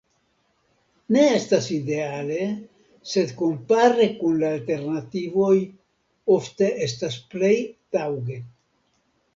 Ne estas ideale, sed kompare kun la alternativoj ofte estas plej taŭge.